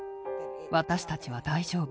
「私たちは大丈夫。